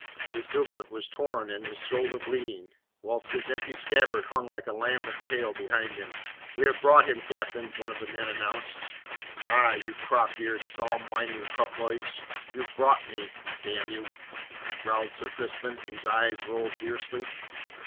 His doublet was torn and his shoulder bleeding, whilst his empty scabbard hung like a lambent tail behind him. "We have brought him, captain," one of the men announced. "Aye, you crop eared, psalm whining cuckolds, you've brought me, d n you," growled Sir Crispin, whose eyes rolled fiercely.